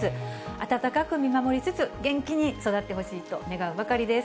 温かく見守りつつ、元気に育ってほしいと願うばかりです。